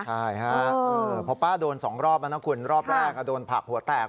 ใช่ฮะพอป้าโดนสองรอบนะครับคุณรอบแรกโดนผับหัวแตก